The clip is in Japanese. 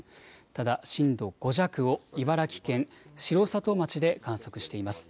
ただ震度５弱を茨城県城里町で観測しています。